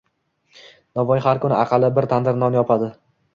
Novvoy har kuni aqalli bir tandir non yopadi…